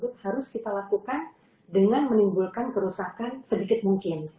kita harus melakukan dengan menimbulkan kerusakan sedikit mungkin